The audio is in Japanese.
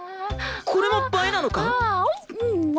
これも映えなのか！？